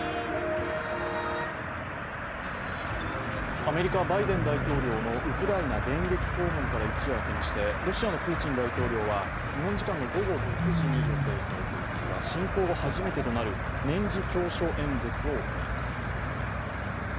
アメリカ・バイデン大統領のウクライナ電撃訪問から一夜明けましてロシアのプーチン大統領は日本時間の午後６時に予定されていますが侵攻後初めてとなる年次教書演説を行います。